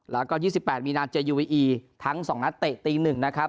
แล้วก็๒๘มีนาเจยูวีอีทั้ง๒นัดเตะตี๑นะครับ